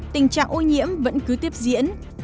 tình trạng ưu nhiễm vẫn cứ tiếp diễn